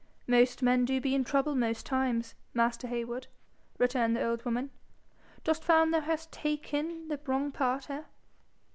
'Most men do be in trouble most times, master Heywood,' returned the old woman. 'Dost find thou hast taken the wrong part, eh?